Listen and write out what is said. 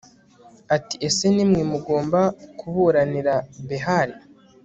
ati ese ni mwe mugomba kuburanira behali